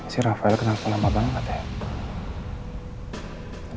sih rafael kenal aku lama banget ya